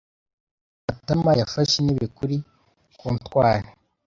Matama yafashe intebe kuri comptoir.